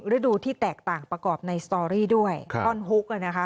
ฤดูที่แตกต่างประกอบในสตอรี่ด้วยครับคาวนฮุกอ่ะนะคะ